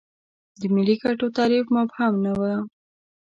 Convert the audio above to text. د ملي ګټو تعریف مبهم نه و.